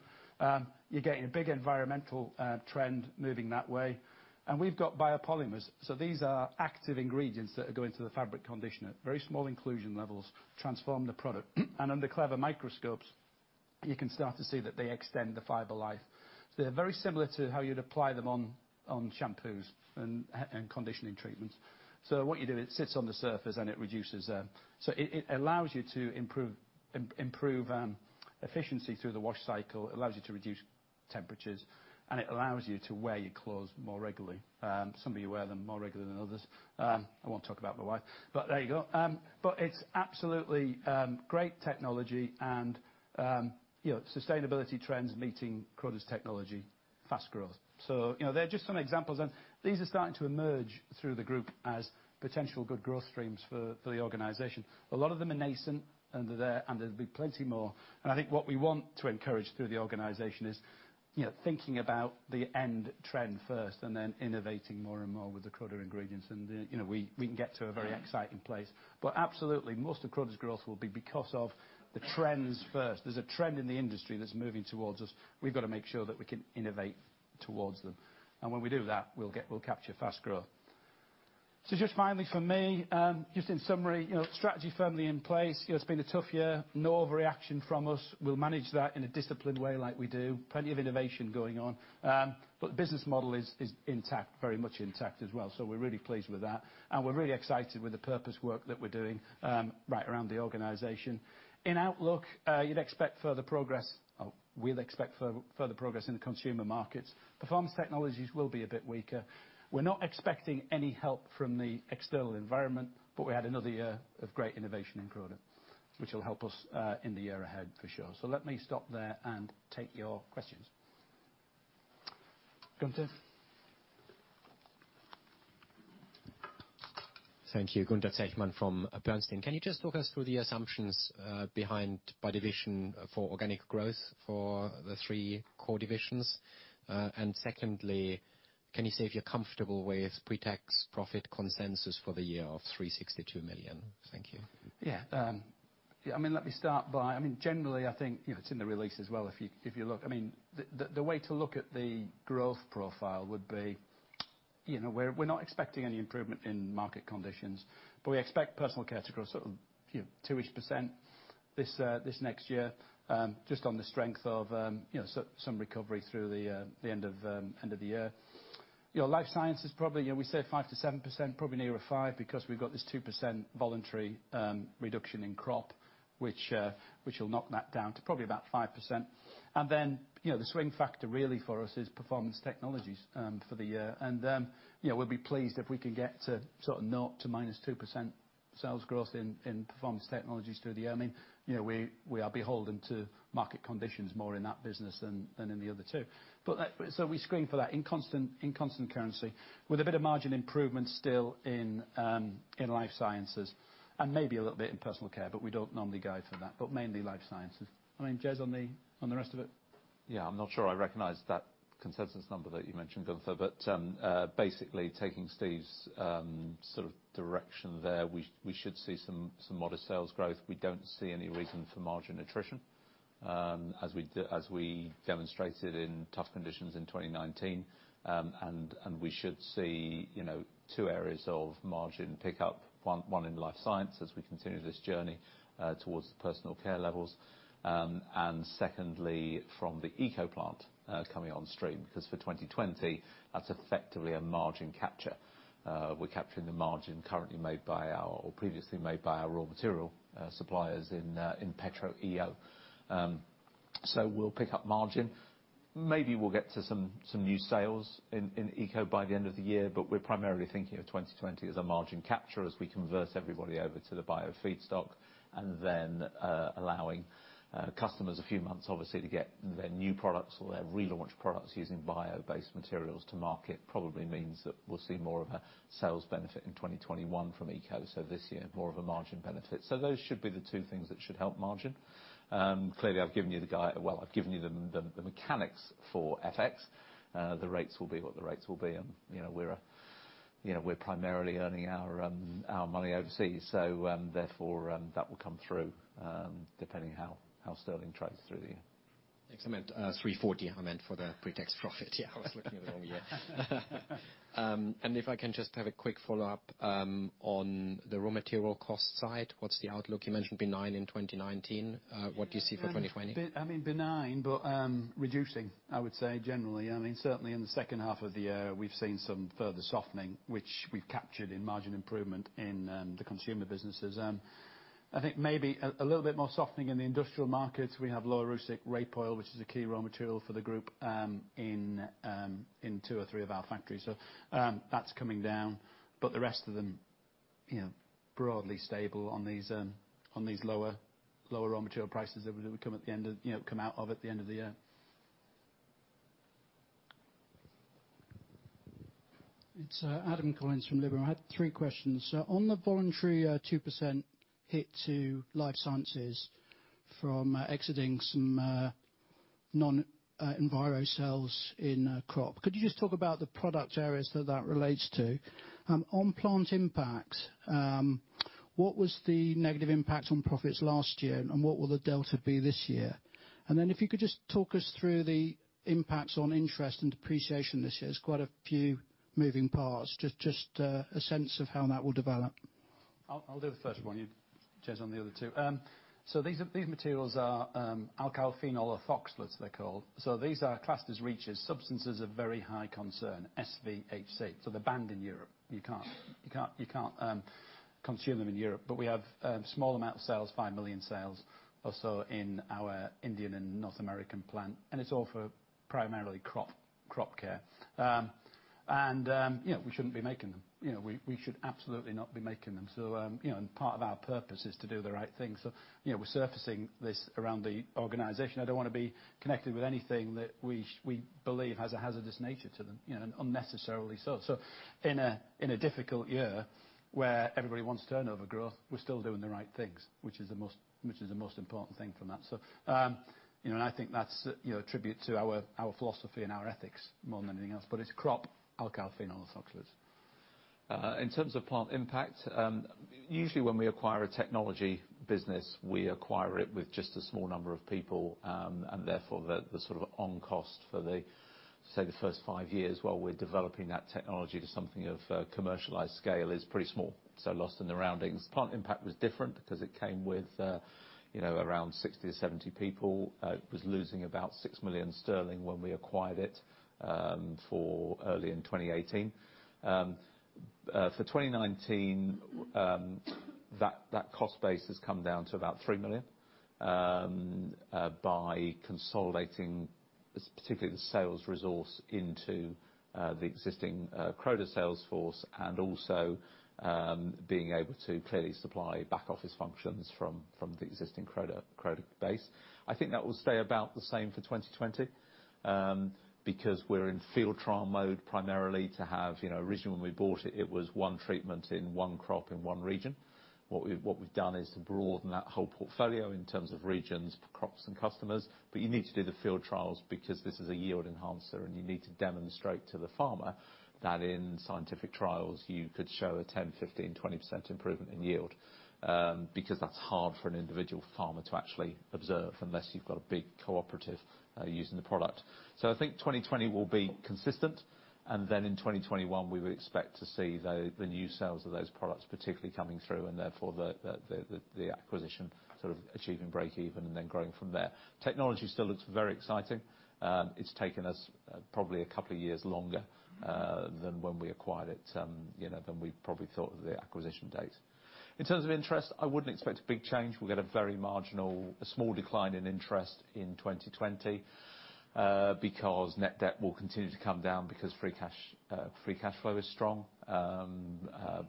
You're getting a big environmental trend moving that way. We've got biopolymers. These are active ingredients that are going to the fabric conditioner. Very small inclusion levels transform the product. Under clever microscopes, you can start to see that they extend the fiber life. They're very similar to how you'd apply them on shampoos and conditioning treatments. What you do, it sits on the surface, and it allows you to improve efficiency through the wash cycle, it allows you to reduce temperatures, and it allows you to wear your clothes more regularly. Some of you wear them more regularly than others. I won't talk about my wife, but there you go. It's absolutely great technology and sustainability trends meeting Croda's technology, fast growth. They're just some examples, and these are starting to emerge through the group as potential good growth streams for the organization. A lot of them are nascent, they're there'll be plenty more. I think what we want to encourage through the organization is thinking about the end trend first and then innovating more and more with the Croda ingredients. We can get to a very exciting place. Absolutely, most of Croda's growth will be because of the trends first. There's a trend in the industry that's moving towards us. We've got to make sure that we can innovate towards them. When we do that, we'll capture fast growth. Just finally from me, just in summary, strategy firmly in place. It's been a tough year. No overreaction from us. We'll manage that in a disciplined way like we do. Plenty of innovation going on. The business model is intact, very much intact as well. We're really pleased with that, and we're really excited with the purpose work that we're doing right around the organization. In outlook, we'll expect further progress in the consumer markets. Performance Technologies will be a bit weaker. We're not expecting any help from the external environment, but we had another year of great innovation in Croda, which will help us in the year ahead for sure. Let me stop there and take your questions. Gunther? Thank you. Gunther Zechmann from Bernstein. Can you just talk us through the assumptions behind by division for organic growth for the three core divisions? Secondly, can you say if you're comfortable with pre-tax profit consensus for the year of 362 million? Thank you. Yeah. Let me start by, generally I think, it's in the release as well, if you look. The way to look at the growth profile would be. We're not expecting any improvement in market conditions, but we expect Personal Care to grow 2% this next year, just on the strength of some recovery through the end of the year. Life Sciences, probably, we say 5% to 7%, probably nearer 5%, because we've got this 2% voluntary reduction in crop, which will knock that down to probably about 5%. The swing factor really for us is Performance Technologies for the year. We'll be pleased if we can get to 0% to -2% sales growth in Performance Technologies through the year. We are beholden to market conditions more in that business than in the other two. We're screening for that in constant currency, with a bit of margin improvement still in Life Sciences and maybe a little bit in Personal Care, but we don't normally go for that. Mainly Life Sciences. I mean, Jez, on the rest of it? Yeah. I'm not sure I recognize that consensus number that you mentioned, Gunther. Basically, taking Steve's direction there, we should see some modest sales growth. We don't see any reason for margin attrition, as we demonstrated in tough conditions in 2019. We should see two areas of margin pick up, one in Life Sciences as we continue this journey towards the Personal Care levels. Secondly, from the ECO Plant coming on stream, because for 2020, that's effectively a margin capture. We're capturing the margin previously made by our raw material suppliers in Petro EO. We'll pick up margin. Maybe we'll get to some new sales in ECO by the end of the year, we're primarily thinking of 2020 as a margin capture as we converse everybody over to the bio feedstock. Allowing customers a few months, obviously, to get their new products or their relaunched products using bio-based materials to market probably means that we'll see more of a sales benefit in 2021 from ECO. This year, more of a margin benefit. Those should be the two things that should help margin. Clearly, I've given you the mechanics for FX. The rates will be what the rates will be, and we're primarily earning our money overseas. That will come through, depending how sterling trades through the year. Thanks. 340, I meant for the pretax profit. Yeah. I was looking at the wrong year. If I can just have a quick follow-up on the raw material cost side, what's the outlook? You mentioned benign in 2019. What do you see for 2020? Benign but reducing, I would say, generally. Certainly in the second half of the year, we've seen some further softening, which we've captured in margin improvement in the consumer businesses. I think maybe a little bit more softening in the industrial markets. We have lower rapeseed oil, which is a key raw material for the group, in two or three of our factories. That's coming down. The rest of them, broadly stable on these lower raw material prices that we come out of at the end of the year. It's Adam Collins from Liberum. I had three questions. On the voluntary 2% hit to Life Sciences from exiting some non-enviro sales in crop. Could you just talk about the product areas that that relates to? On Plant Impact, what was the negative impact on profits last year, and what will the delta be this year? If you could just talk us through the impacts on interest and depreciation this year. There's quite a few moving parts. Just a sense of how that will develop. I'll do the first one, Jez, on the other two. These materials are alkylphenol ethoxylates, they're called. These are classed as REACH substances of very high concern, SVHC, so they're banned in Europe. You can't consume them in Europe, but we have small amount of sales, 5 million sales or so in our Indian and North American plant, and it's all for primarily crop care. We shouldn't be making them. We should absolutely not be making them. Part of our purpose is to do the right thing. We're surfacing this around the organization. I don't want to be connected with anything that we believe has a hazardous nature to them, and unnecessarily so. In a difficult year where everybody wants turnover growth, we're still doing the right things, which is the most important thing from that. I think that's a tribute to our philosophy and our ethics more than anything else. It's crop alkylphenol ethoxylates. In terms of Plant Impact, usually when we acquire a technology business, we acquire it with just a small number of people, and therefore, the on cost for, say, the first five years while we're developing that technology to something of commercialized scale is pretty small, so lost in the roundings. Plant Impact was different because it came with around 60-70 people. It was losing about 6 million sterling when we acquired it early in 2018. For 2019, that cost base has come down to about 3 million, by consolidating, particularly the sales resource into the existing Croda sales force and also being able to clearly supply back office functions from the existing Croda base. I think that will stay about the same for 2020. We're in field trial mode primarily. Originally, when we bought it was one treatment in one crop in one region. What we've done is broaden that whole portfolio in terms of regions, crops, and customers. You need to do the field trials because this is a yield enhancer, and you need to demonstrate to the farmer that in scientific trials you could show a 10%, 15%, 20% improvement in yield. That's hard for an individual farmer to actually observe, unless you've got a big cooperative using the product. I think 2020 will be consistent. In 2021, we would expect to see the new sales of those products particularly coming through, and therefore the acquisition achieving breakeven and then growing from there. Technology still looks very exciting. It's taken us probably a couple of years longer than when we acquired it, than we probably thought at the acquisition date. In terms of interest, I wouldn't expect a big change. We'll get a very marginal, small decline in interest in 2020. Net debt will continue to come down because free cash flow is strong. That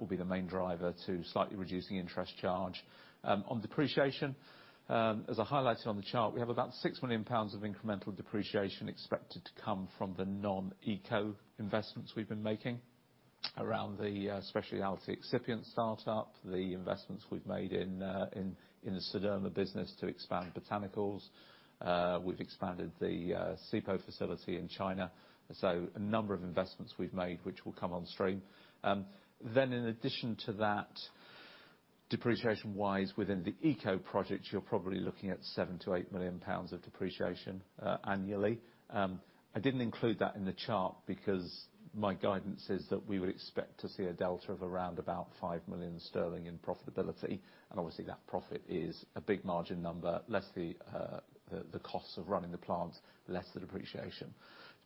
will be the main driver to slightly reducing interest charge. On depreciation, as I highlighted on the chart, we have about 6 million pounds of incremental depreciation expected to come from the non-ECO investments we've been making around the specialty excipient startup, the investments we've made in the Sederma business to expand botanicals. We've expanded the Sipo facility in China. A number of investments we've made, which will come on stream. In addition to that, depreciation-wise, within the ECO projects, you're probably looking at 7 million-8 million pounds of depreciation annually. I didn't include that in the chart because my guidance is that we would expect to see a delta of around about 5 million sterling in profitability. Obviously that profit is a big margin number, less the costs of running the plant, less the depreciation.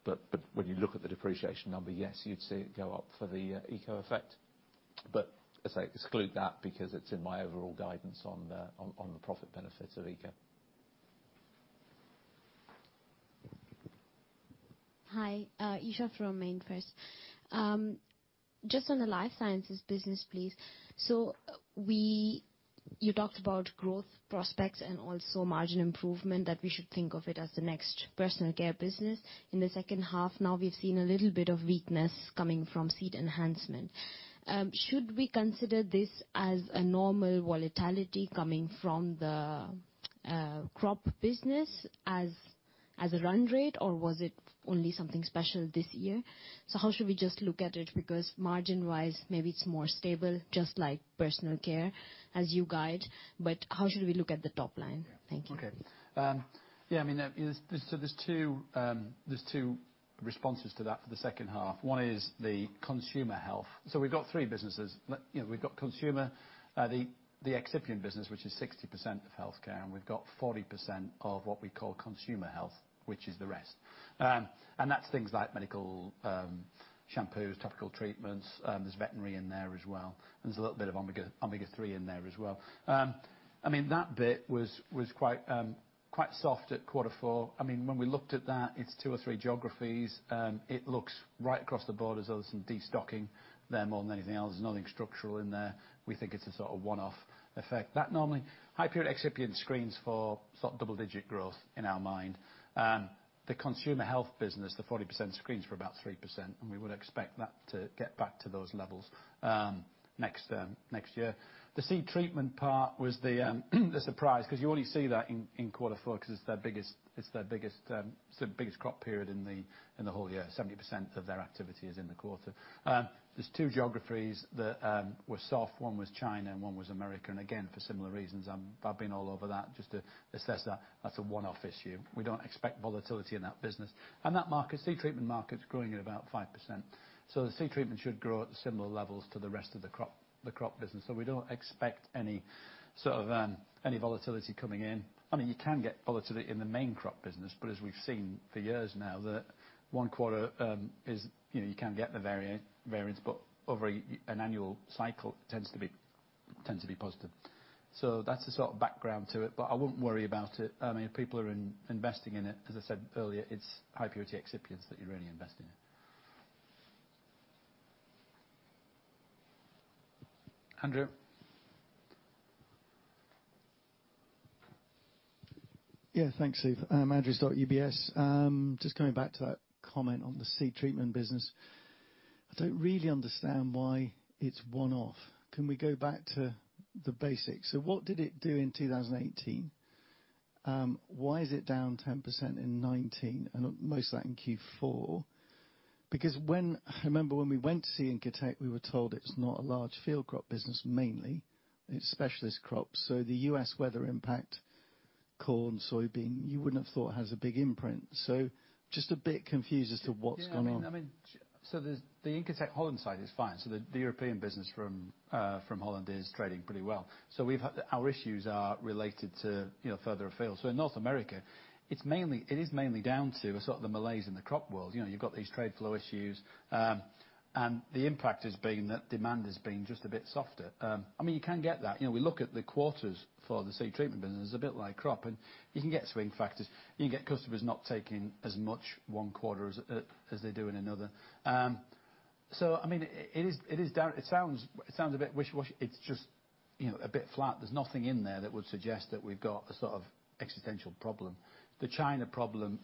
When you look at the depreciation number, yes, you'd see it go up for the ECO effect. As I exclude that because it's in my overall guidance on the profit benefits of ECO. Hi. Isha from MainFirst. Just on the Life Sciences business, please. You talked about growth prospects and also margin improvement that we should think of it as the next Personal Care business. In the second half now, we've seen a little bit of weakness coming from Seed Enhancement. Should we consider this as a normal volatility coming from the crop business as a run rate, or was it only something special this year? How should we just look at it? Because margin-wise, maybe it's more stable, just like Personal Care as you guide, but how should we look at the top line? Thank you. Okay. There's two responses to that for the second half. One is the Consumer Health. We've got three businesses. We've got consumer, the excipient business, which is 60% of healthcare, and we've got 40% of what we call Consumer Health, which is the rest. That's things like medical shampoos, topical treatments. There's veterinary in there as well, and there's a little bit of omega-3 in there as well. That bit was quite soft at quarter four. When we looked at that, it's two or three geographies. It looks right across the board as though there's some destocking there more than anything else. There's nothing structural in there. We think it's a sort of one-off effect. High purity excipient screens for double-digit growth in our mind. The Consumer Health business, the 40% screens for about 3%, and we would expect that to get back to those levels next year. The seed treatment part was the surprise because you already see that in quarter four because it's their biggest crop period in the whole year. 70% of their activity is in the quarter. There's two geographies that were soft. One was China and one was America. Again, for similar reasons, I've been all over that just to assess that that's a one-off issue. We don't expect volatility in that business. That market, seed treatment market, is growing at about 5%. The seed treatment should grow at similar levels to the rest of the crop business. We don't expect any volatility coming in. You can get volatility in the main crop business, but as we've seen for years now, one quarter you can get the variance, but over an annual cycle, tends to be positive. That's the sort of background to it, but I wouldn't worry about it. People are investing in it. As I said earlier, it's high purity excipients that you're really investing in. Andrew. Yeah. Thanks, Steve. Andrew Stott, UBS. Just going back to that comment on the Seed Enhancement business. I don't really understand why it's one-off. Can we go back to the basics? What did it do in 2018? Why is it down 10% in 2019, and most of that in Q4? I remember when we went to see Incotec, we were told it's not a large field crop business mainly, it's specialist crops. The U.S. weather impact, corn, soybean, you wouldn't have thought has a big imprint. Just a bit confused as to what's going on. The Incotec Holland side is fine. The European business from Holland is trading pretty well. Our issues are related to further afield. In North America, it is mainly down to the malaise in the crop world. You've got these trade flow issues, and the impact has been that demand has been just a bit softer. You can get that. We look at the quarters for the seed treatment business. It's a bit like crop, and you can get swing factors. You can get customers not taking as much one quarter as they do in another. It sounds a bit wishy-washy. It's just a bit flat. There's nothing in there that would suggest that we've got a sort of existential problem. The China problem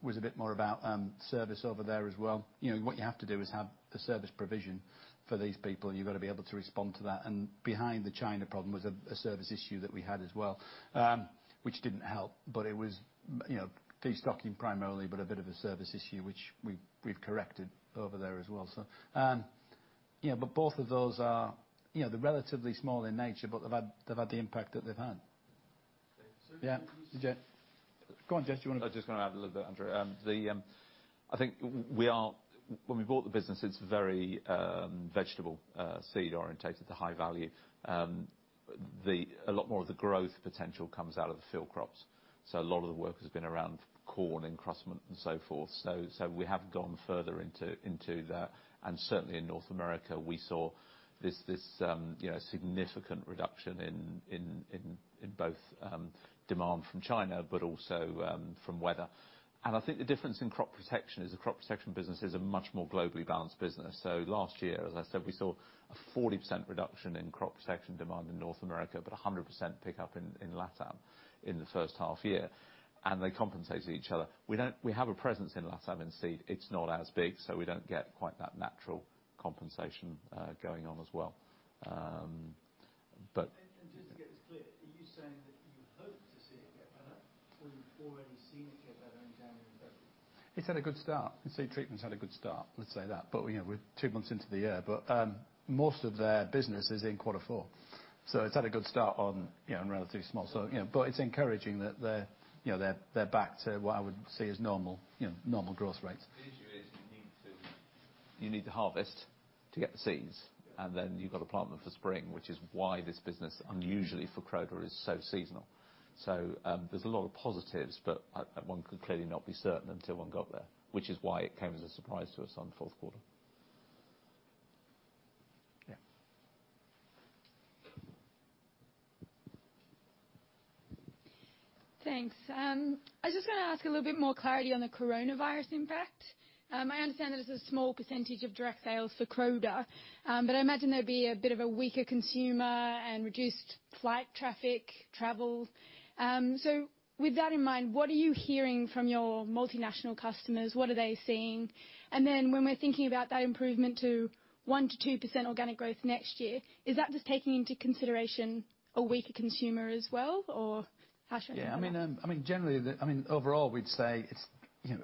was a bit more about service over there as well. What you have to do is have a service provision for these people, and you've got to be able to respond to that. Behind the China problem was a service issue that we had as well, which didn't help, but it was destocking primarily, but a bit of a service issue, which we've corrected over there as well. Both of those are relatively small in nature, but they've had the impact that they've had. Okay. Yeah. Go on, Jez. You want to- I just want to add a little bit, Andrew. When we bought the business, it's very vegetable seed orientated to high value. A lot more of the growth potential comes out of the field crops. A lot of the work has been around corn, and crustment, and so forth. We have gone further into that. Certainly, in North America, we saw this significant reduction in both demand from China, but also from weather. I think the difference in Crop Protection is the Crop Protection business is a much more globally balanced business. Last year, as I said, we saw a 40% reduction in Crop Protection demand in North America, but 100% pickup in LatAm in the first half-year. They compensate each other. We have a presence in LatAm in seed, it's not as big, so we don't get quite that natural compensation going on as well. Just to get this clear, are you saying that you hope to see it get better or you've already seen it get better in January and February? It's had a good start. Seed Treatment's had a good start, let's say that. We're two months into the year. Most of their business is in quarter four. It's had a good start on relatively small. It's encouraging that they're back to what I would say is normal growth rates. The issue is you need to harvest to get the seeds, and then you've got to plant them for spring, which is why this business, unusually for Croda, is so seasonal. There's a lot of positives, but one could clearly not be certain until one got there, which is why it came as a surprise to us on the fourth quarter. Yeah. Thanks. I was just going to ask a little bit more clarity on the coronavirus impact. I understand that it's a small percentage of direct sales for Croda. I imagine there'd be a bit of a weaker consumer and reduced flight traffic, travel. With that in mind, what are you hearing from your multinational customers? What are they seeing? When we're thinking about that improvement to 1%-2% organic growth next year, is that just taking into consideration a weaker consumer as well? How should I think about that? Generally, overall, we'd say,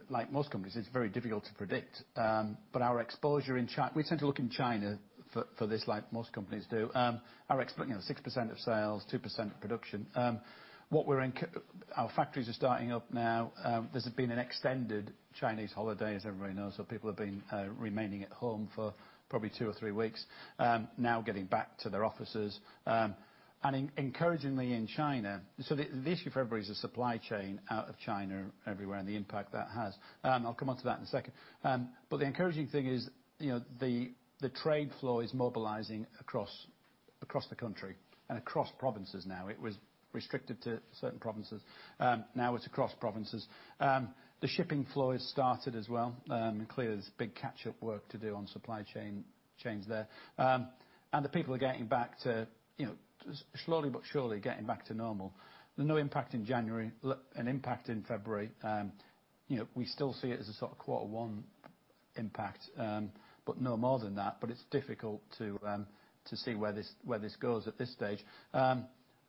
like most companies, it's very difficult to predict. Our exposure in China. We tend to look in China for this, like most companies do. Our exposure, 6% of sales, 2% of production. Our factories are starting up now. This has been an extended Chinese holiday, as everybody knows. People have been remaining at home for probably two or three weeks. Now getting back to their offices. Encouragingly in China. The issue for everybody is the supply chain out of China everywhere and the impact that has. I'll come onto that in a second. The encouraging thing is the trade flow is mobilizing across the country and across provinces now. It was restricted to certain provinces. Now it's across provinces. The shipping flow has started as well. Clearly, there's big catch-up work to do on supply chains there. The people are getting back to, slowly but surely, getting back to normal. No impact in January. An impact in February. We still see it as a sort of quarter one impact, but no more than that. It's difficult to see where this goes at this stage.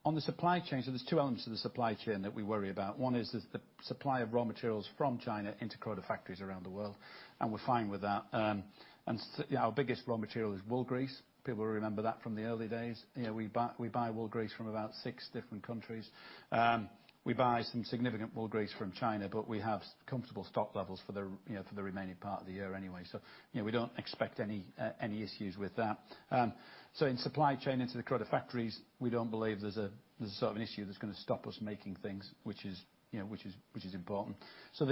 On the supply chain, there's two elements to the supply chain that we worry about. One is the supply of raw materials from China into Croda factories around the world, and we're fine with that. Our biggest raw material is wool grease. People will remember that from the early days. We buy wool grease from about six different countries. We buy some significant wool grease from China, but we have comfortable stock levels for the remaining part of the year anyway. We don't expect any issues with that. In supply chain into the Croda factories, we don't believe there's a sort of an issue that's going to stop us making things, which is important. We're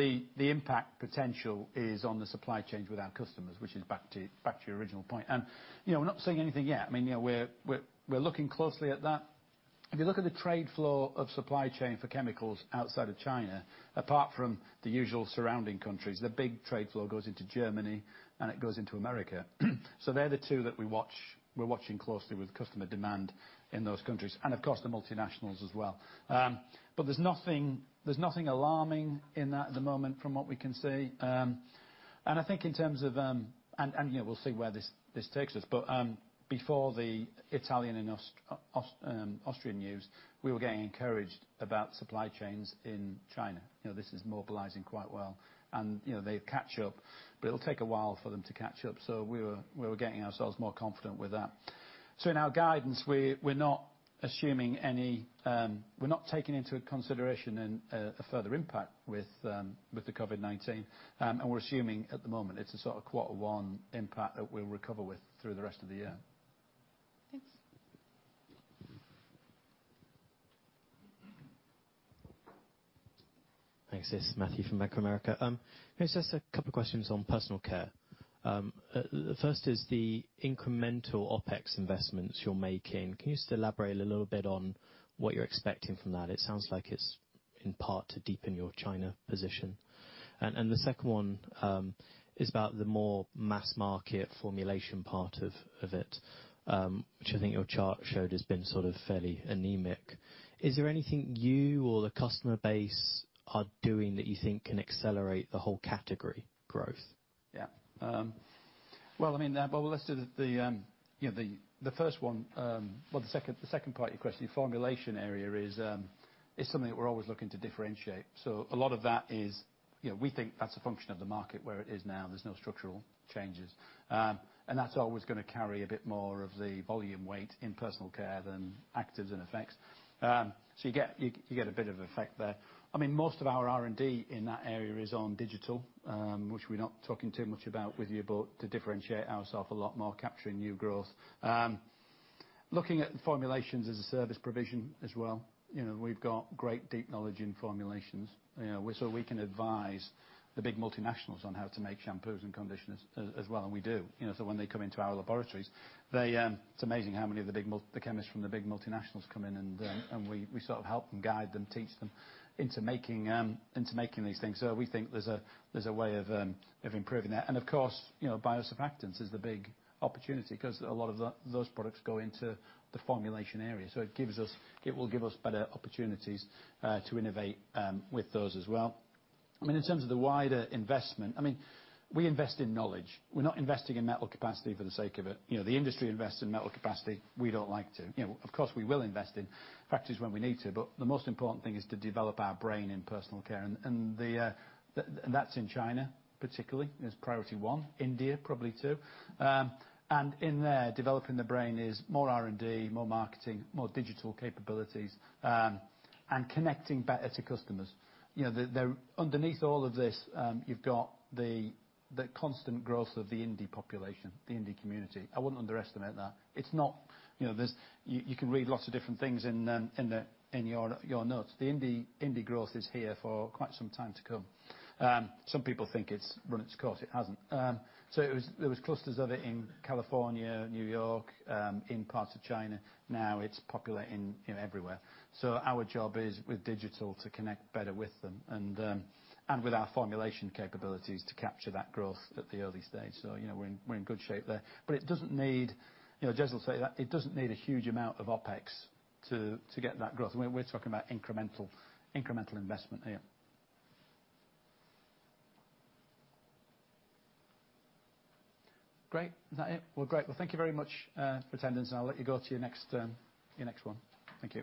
not seeing anything yet. We're looking closely at that. If you look at the trade flow of supply chain for chemicals outside of China, apart from the usual surrounding countries, the big trade flow goes into Germany, and it goes into the U.S. They're the two that we're watching closely with customer demand in those countries. Of course, the multinationals as well. There's nothing alarming in that at the moment from what we can see. We'll see where this takes us. Before the Italian and Austrian news, we were getting encouraged about supply chains in China. This is mobilizing quite well. They catch up. It'll take a while for them to catch up. We were getting ourselves more confident with that. In our guidance, we're not taking into consideration a further impact with the COVID-19. We're assuming at the moment it's a sort of quarter one impact that we'll recover with through the rest of the year. Thanks. Thanks. This is Matthew from Bank of America. Just a couple of questions on Personal Care. The first is the incremental OpEx investments you're making. Can you just elaborate a little bit on what you're expecting from that? It sounds like it's in part to deepen your China position. The second one is about the more mass market formulation part of it, which I think your chart showed has been sort of fairly anemic. Is there anything you or the customer base are doing that you think can accelerate the whole category growth? Yeah. Well, let's do the first one. Well, the second part of your question, the formulation area is something that we're always looking to differentiate. A lot of that is we think that's a function of the market where it is now. There's no structural changes. That's always going to carry a bit more of the volume weight in Personal Care than actives and effects. You get a bit of effect there. Most of our R&D in that area is on digital, which we're not talking too much about with you, but to differentiate ourselves a lot more, capturing new growth. Looking at formulations as a service provision as well. We've got great deep knowledge in formulations. We can advise the big multinationals on how to make shampoos and conditioners as well, and we do. When they come into our laboratories, it's amazing how many of the chemists from the big multinationals come in, and we sort of help them, guide them, teach them into making these things. We think there's a way of improving that. Of course, biosurfactants is the big opportunity because a lot of those products go into the formulation area. It will give us better opportunities to innovate with those as well. In terms of the wider investment, we invest in knowledge. We're not investing in metal capacity for the sake of it. The industry invests in metal capacity. We don't like to. Of course, we will invest in factories when we need to, but the most important thing is to develop our brain in Personal Care, and that's in China particularly, as priority one, India probably two. In there, developing the brain is more R&D, more marketing, more digital capabilities, and connecting better to customers. Underneath all of this, you've got the constant growth of the indie population, the indie community. I wouldn't underestimate that. You can read lots of different things in your notes. The indie growth is here for quite some time to come. Some people think it's run its course. It hasn't. There was clusters of it in California, New York, in parts of China. Now it's popular everywhere. Our job is, with digital, to connect better with them, and with our formulation capabilities, to capture that growth at the early stage. We're in good shape there. It doesn't need, as Jez will say, a huge amount of OpEx to get that growth. We're talking about incremental investment here. Great. Is that it? Well, great. Well, thank you very much for attending, and I'll let you go to your next one. Thank you